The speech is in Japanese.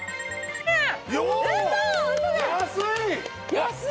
安い！